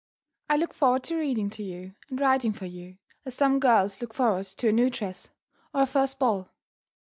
I look forward to reading to you and writing for you, as some girls look forward to a new dress, or a first ball.